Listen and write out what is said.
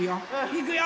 いくよ！